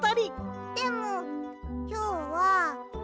でもきょうは。